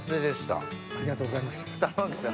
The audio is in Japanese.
ありがとうございます。